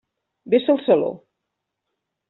Vés al saló.